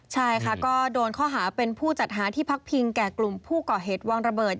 ใช่ค่ะก็โดนข้อหาเป็นผู้จัดหาที่พักพิงแก่กลุ่มผู้ก่อเหตุวางระเบิด